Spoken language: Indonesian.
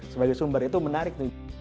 sebagai sumber itu menarik